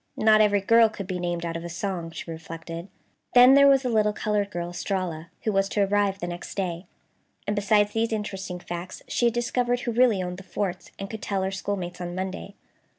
Not every girl could be named out of a song, she reflected. Then there was the little colored girl Estralla, who was to arrive the next day, and besides these interesting facts, she had discovered who really owned the forts, and could tell her schoolmates on Monday.